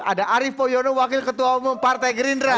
ada arief poyono wakil ketua umum partai gerindra